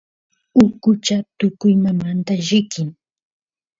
ukucha tukuymamanta llikin